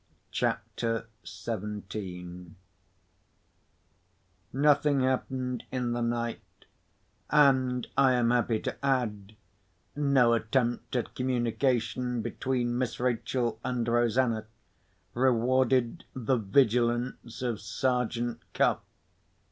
CHAPTER XVII Nothing happened in the night; and (I am happy to add) no attempt at communication between Miss Rachel and Rosanna rewarded the vigilance of Sergeant Cuff.